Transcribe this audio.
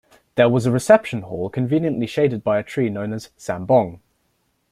There was a reception hall conveniently shaded by a tree known as "sambong".